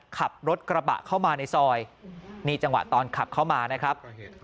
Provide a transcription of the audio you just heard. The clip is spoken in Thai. ขับรถกระบะเข้ามาในซอยนี่จังหวะตอนขับเข้ามานะครับ